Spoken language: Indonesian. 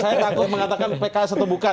saya takut mengatakan pks atau bukan